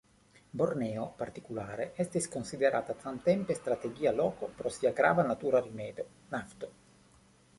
Borneo partikulare estis konsiderata samtempe strategia loko pro sia grava natura rimedo; nafto.